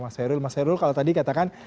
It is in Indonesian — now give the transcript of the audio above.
mas khairul mas herul kalau tadi katakan